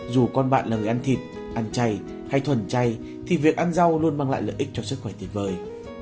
dù con bạn là người ăn thịt ăn chay hay thuần chay thì việc ăn rau luôn mang lại lợi ích cho sức khỏe tuyệt vời